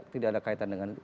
tidak ada kaitan dengan